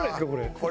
これ。